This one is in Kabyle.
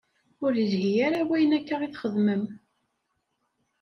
Ur ilhi ara wayen akka i txedmem.